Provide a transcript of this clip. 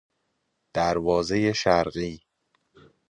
دروازهی شرقی